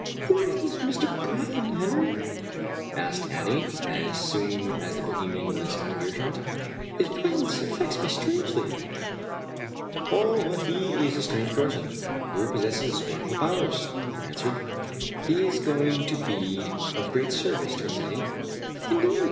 " Who is this Mr. Brann, Henry? " asked Annie, as soonl as the Bohemian was out of earshot. "His presence af fects me strangely." " He is a strange person, who possesses wonderful powers," I answered ;" he is going to be of great service to us, Annie." "Indeed!